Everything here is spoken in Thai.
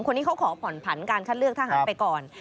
คนนี้เขาขอผ่อนผันการคัดเลือกทหารไปก่อน